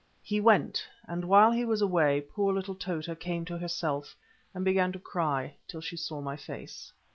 He went, and while he was away, poor little Tota came to herself and began to cry, till she saw my face.